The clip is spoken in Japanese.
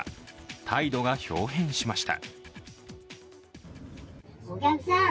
態度がひょう変しました。